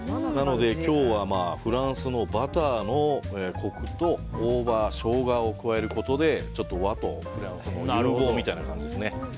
今日はフランスのバターのコクと大葉、ショウガを加えることでちょっと和とフランスの融合みたいな感じですね。